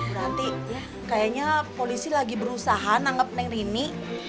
bu ranti kayaknya polisi lagi berusaha nanggep rini